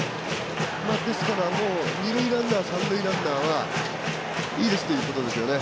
ですから、二塁ランナー三塁ランナーはいいですってことですよね。